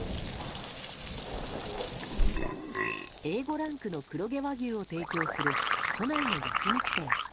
Ａ５ランクの黒毛和牛を提供する都内の焼き肉店。